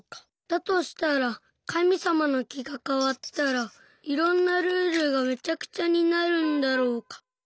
だとしたらかみさまのきがかわったらいろんなルールがめちゃくちゃになるんだろうか。